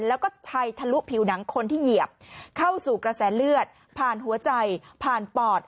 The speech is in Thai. แล้วก็ชัยทะลุผิวหนังคนที่เหยียบเข้าสู่กระแสเลือดผ่านหัวใจผ่านปอด